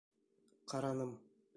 Ҡараным.